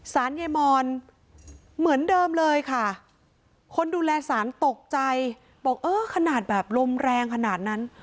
ยายมอนเหมือนเดิมเลยค่ะคนดูแลสารตกใจบอกเออขนาดแบบลมแรงขนาดนั้น